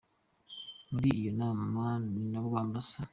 Muri iyo nama ni nabwo Amb.